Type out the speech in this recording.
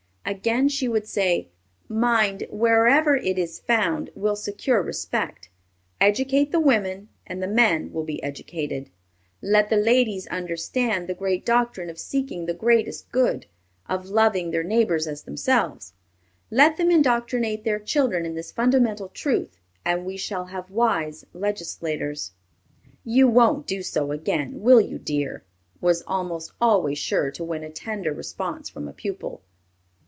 Again, she would say, "Mind, wherever it is found, will secure respect.... Educate the women, and the men will be educated. Let the ladies understand the great doctrine of seeking the greatest good, of loving their neighbors as themselves; let them indoctrinate their children in this fundamental truth, and we shall have wise legislators." "You won't do so again, will you, dear?" was almost always sure to win a tender response from a pupil.